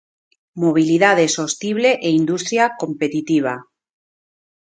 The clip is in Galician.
Mobilidade sostible e industria competitiva.